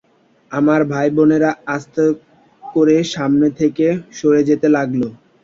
আমার ভাইবোনেরা আস্তে করে সামনে থেকে সরে যেতে লাগলো।